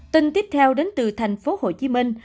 tin tiếp theo đến từ thành phố hồ chí minh